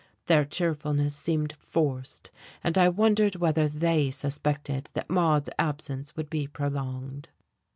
Their cheerfulness seemed forced, and I wondered whether they suspected that Maude's absence would be prolonged.